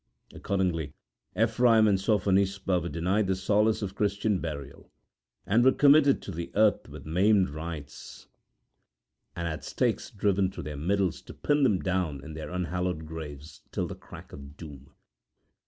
Accordingly Ephraim and Sophonisba were denied the solace of Christian burial, and were committed to the earth with 'maimed rites', and had stakes driven through their middles to pin them down in their unhallowed graves till the crack of doom.